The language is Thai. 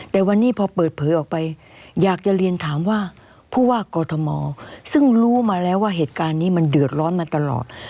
แต่วันนี้พอเปิดเผยออกไปอยากจะเรียนถามว่าผู้ว่ากอทมซึ่งรู้มาแล้วว่าเหตุการณ์นี้มันเดือดร้อนมาตลอด